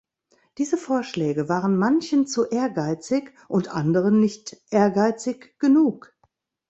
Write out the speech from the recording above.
Diese Vorschläge waren manchen zu ehrgeizig und anderen nicht ehrgeizig genug.